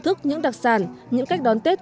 thức những đặc sản những cách đón tết